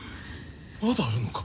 まだあるのか？